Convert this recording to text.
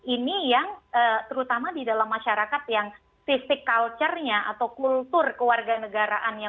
ini yang terutama di dalam masyarakat yang fisik culture nya atau kultur keluarga negaraannya